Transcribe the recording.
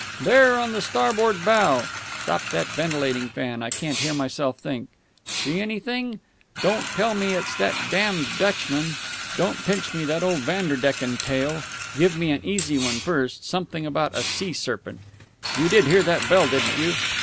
"There, on the starboard bow. (Stop that ventilating fan; I can't hear myself think.) See anything? Don't tell me it's that damned Dutchman don't pitch me that old Vanderdecken tale give me an easy one first, something about a sea serpent.... You did hear that bell, didn't you?"